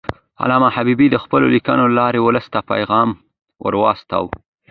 علامه حبیبي د خپلو لیکنو له لارې ولس ته پیغام ورساوه.